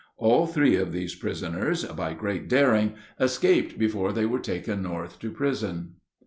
All three of these prisoners, by great daring, escaped before they were taken North to prison.